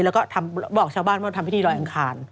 แล้วก็บอกชาวบ้านว่าทำพิธีรอยอังคาร